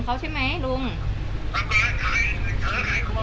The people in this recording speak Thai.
แต่เราไม่ได้ถือไถกล้วน